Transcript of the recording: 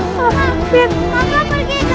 kakak kakak sudah melakukannya